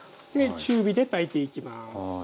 中火で炊いていきます。